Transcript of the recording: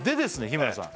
日村さん